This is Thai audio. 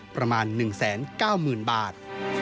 ประมาณ๑แสน๙หมื่นบาท